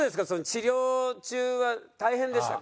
治療中は大変でしたか？